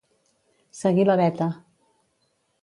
Seguir la veta.